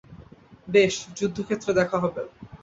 বেশ, যুদ্ধক্ষেত্রে দেখা হবে।